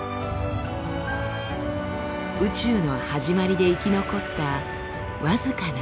宇宙の始まりで生き残った僅かな素粒子。